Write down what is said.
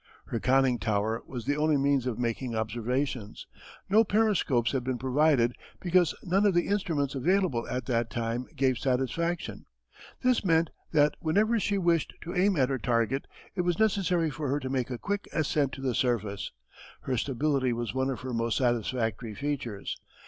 Her conning tower was the only means of making observations. No periscopes had been provided because none of the instruments available at that time gave satisfaction. This meant that whenever she wished to aim at her target it was necessary for her to make a quick ascent to the surface. Her stability was one of her most satisfactory features.